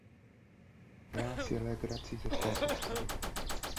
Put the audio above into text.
Dělá si legraci ze své postavy.